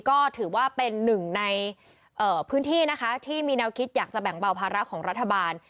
ก็ถือว่าเป็นหนึ่งในพื้นที่นะคะที่มีแนวคิดอยากจะแบ่งเบาภาระของรัฐบาล